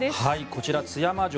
こちら、津山城